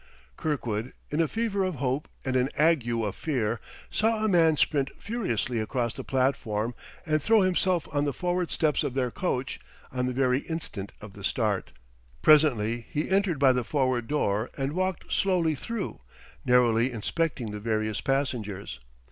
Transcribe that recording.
Kirkwood, in a fever of hope and an ague of fear, saw a man sprint furiously across the platform and throw himself on the forward steps of their coach, on the very instant of the start. Presently he entered by the forward door and walked slowly through, narrowly inspecting the various passengers.